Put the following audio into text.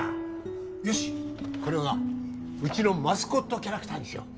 よしこれはうちのマスコットキャラクターにしよう